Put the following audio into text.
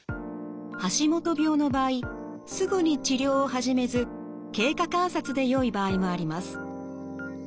橋本病の場合すぐに治療を始めず経過観察でよい場合もあります。